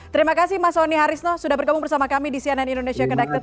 terima kasih mas sonny harisno sudah berkabung bersama kami di cnn indonesia conducted